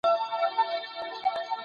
تعليم ته بايد لومړيتوب ورکړل سي.